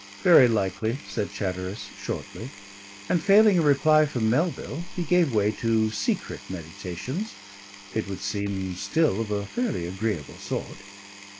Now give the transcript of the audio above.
"Very likely," said Chatteris shortly, and failing a reply from Melville, he gave way to secret meditations, it would seem still of a fairly agreeable sort.